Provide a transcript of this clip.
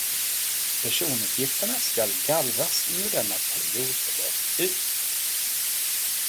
Personuppgifterna ska gallras när denna period löpt ut.